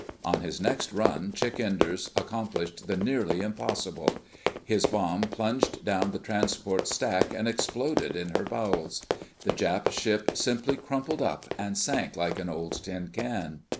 On his next run Chick Enders accomplished the nearly impossible. His bomb plunged down the transport's stack and exploded in her bowels. The Jap ship simply crumpled up and sank, like an old tin can.